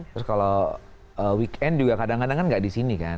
terus kalau weekend juga kadang kadang kan nggak di sini kan